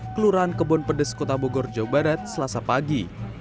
kelurahan kebon pedes kota bogor jawa barat selasa pagi